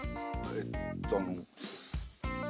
えっとあのまだ。